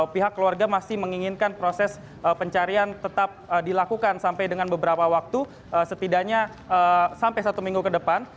pihak keluarga masih menginginkan proses pencarian tetap dilakukan sampai dengan beberapa waktu setidaknya sampai satu minggu ke depan